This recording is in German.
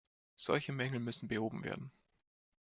Solche Mängel müssen behoben werden.